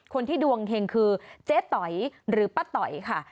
คนที่ดวงเฮงคือเจ๊ต๋อยหรือป้าต๋อยค่ะ